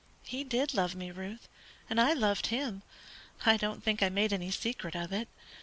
"He did love me, Ruth, and I loved him. I don't think I made any secret of it.